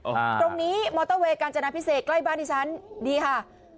ตรงนี้มอเตอร์เวย์การจนาพิเศษใกล้บ้านดิฉันดีค่ะ